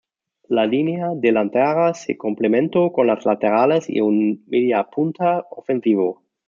La línea delantera se complementó con los laterales y un mediapunta ofensivo.